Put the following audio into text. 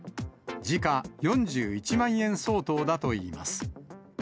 時価４１万円相当だといいます。